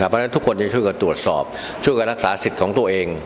เพราะฉะนั้นทุกคนจะช่วยกันตรวจสอบช่วยกันรักษาสิทธิ์ของตัวเอง